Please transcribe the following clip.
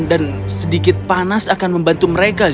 dan sedikit panas akan membantu mereka juga